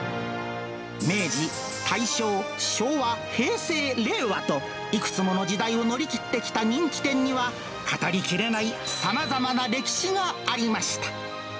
明治、大正、昭和、平成、令和と、いくつもの時代を乗り切ってきた人気店には、語りきれないさまざまな歴史がありました。